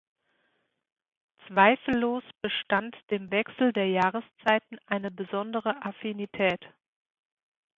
Zweifellos bestand dem Wechsel der Jahreszeiten eine besondere Affinität.